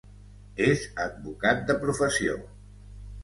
És advocat de professió.